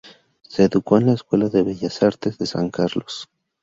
Se educó en la Escuela de Bellas Artes de San Carlos.